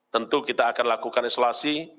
tentu kita akan lakukan isolasi